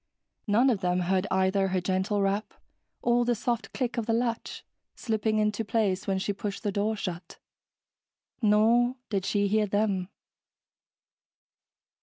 None of them heard either her gentle rap or the soft click of the latch slipping into place when she pushed the door shut. Nor did she hear them.